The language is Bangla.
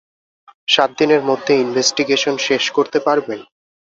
সাত দিনের মাঝে ইনভেস্টিগেশন শেষ করতে পারবেন?